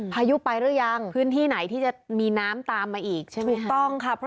พายุไปหรือยังพื้นที่ไหนที่จะมีน้ำตามมาอีกใช่ไหมถูกต้องค่ะ